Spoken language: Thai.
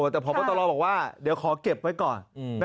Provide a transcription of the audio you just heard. แต่พบตรบอกว่าเดี๋ยวขอเก็บไว้ก่อน